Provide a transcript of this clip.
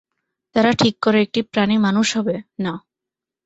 তারা ঠিক করে একটি প্রাণী মানুষ হবে, না।